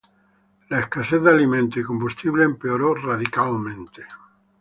La escasez de alimentos y combustible empeoró radicalmente.